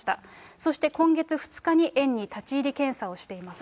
そして今月２日に園に立ち入り検査をしています。